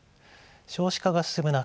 少子化が進む中